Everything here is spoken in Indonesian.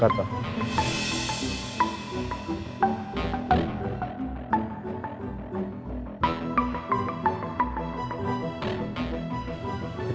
hai injil bagus bang